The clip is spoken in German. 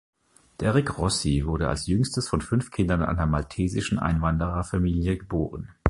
Derrick Rossi wurde als jüngstes von fünf Kindern einer maltesischen Einwandererfamilie geboren.